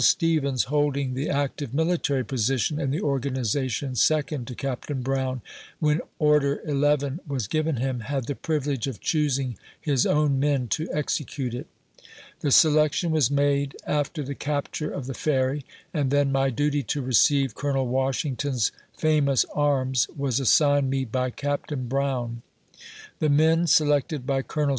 Stevens holding the active military position in the Organization second to Captain Brown, when order eleven was given him, had the privilege of choosing his own men to exe cute it. The selection was made after the capture of the Ferry, and then my duty to receive Colonel Washington's famous arms was assigned me by Captain Brown. The men selected by Col.